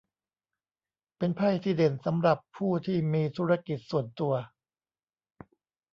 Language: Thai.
เป็นไพ่ที่เด่นสำหรับผู้ที่มีธุรกิจส่วนตัว